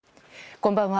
こんばんは。